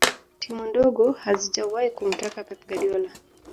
timu ndogo hazijawahi kumtaka pep guardiola